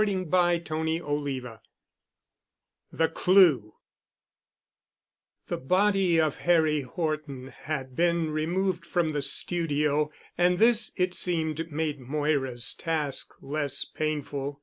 *CHAPTER XXIV* *THE CLUE* The body of Harry Horton had been removed from the studio and this it seemed made Moira's task less painful.